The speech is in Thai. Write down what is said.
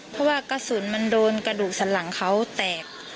เพราะว่ากระสุนมันโดนกระดูกสันหลังเขาแตก